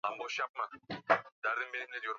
wa Waturuki wa eneo hilo waliungana na kupanga